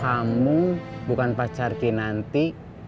kamu bukan pacar kinanti